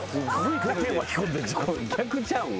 逆ちゃうん？